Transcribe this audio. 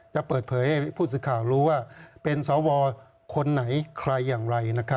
จะเปิดเผยให้ผู้สื่อข่าวรู้ว่าเป็นสวคนไหนใครอย่างไร